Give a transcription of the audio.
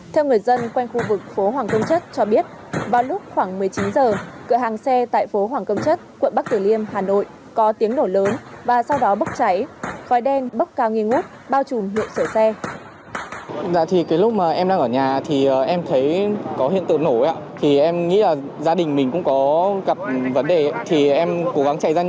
theo người dân quen khu vực phố hoàng công chất cho biết vào lúc khoảng một mươi chín h cửa hàng xe tại phố hoàng công chất quận bắc thừa liêm hà nội có tiếng nổ lớn và sau đó bốc cháy khói đen bốc cao nghi ngút bao trùm hiệu sở xe